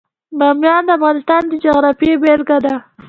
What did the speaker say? بامیان د افغانستان د جغرافیې بېلګه ده.